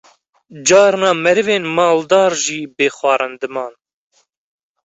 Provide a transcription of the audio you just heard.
Carna merivên maldar jî bê xwarin diman